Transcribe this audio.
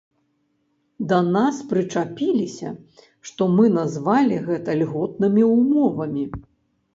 Да нас прычапіліся што мы назвалі гэта льготнымі ўмовамі.